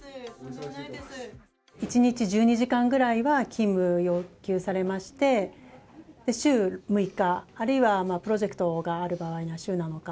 １日１２時間ぐらいは勤務を要求されまして、週６日、あるいはプロジェクトがある場合には週７日。